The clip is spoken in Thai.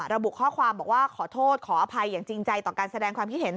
ระบุข้อความบอกว่าขอโทษขออภัยอย่างจริงใจต่อการแสดงความคิดเห็น